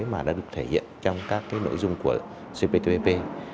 mà đã được thể hiện trong các nội dung của cptpp